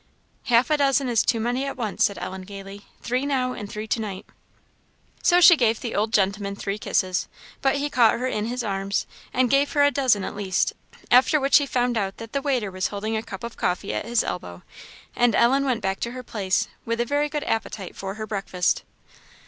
"Half a dozen is too many at once," said Ellen, gaily; "three now, and three to night." So she gave the old gentleman three kisses, but he caught her in his arms and gave her a dozen at least; after which he found out that the waiter was holding a cup of coffee at his elbow, and Ellen went back to her place with a very good appetite for her breakfast.